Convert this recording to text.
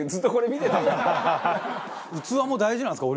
器も大事なんですか？